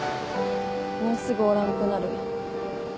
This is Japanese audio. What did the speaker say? もうすぐおらんくなる。